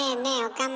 岡村。